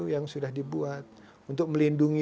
yang sudah dibuat untuk melindungi